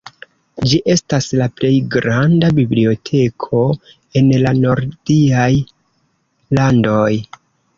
Ĝi estas la plej granda biblioteko en la nordiaj landoj.